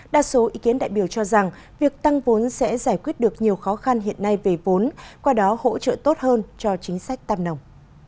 đa số ý kiến đại biểu cho rằng việc tăng vốn sẽ giải quyết được nhiều khó khăn hiện nay về vốn qua đó hỗ trợ tốt hơn cho chính sách tam nông